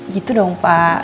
gitu dong pak